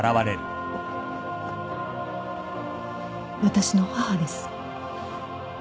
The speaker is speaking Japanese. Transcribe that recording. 私の母です。